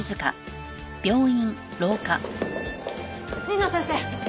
神野先生！